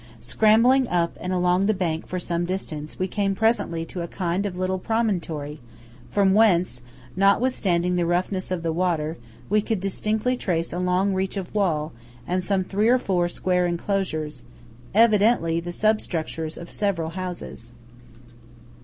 Scrambling up and along the bank for some distance, we came presently to a kind of little promontory from whence, notwithstanding the roughness of the surface, we could distinctly trace a long reach of wall and some three or four square enclosures–evidently the substructures of several houses.